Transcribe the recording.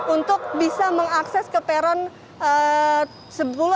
untuk bisa mengakses ke peron sepuluh ataupun empat belas atau sepuluh dua belas tiga belas empat belas